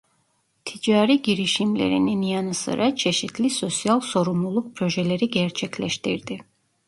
Ticari girişimlerinin yanı sıra çeşitli sosyal sorumluluk projeleri gerçekleştirdi.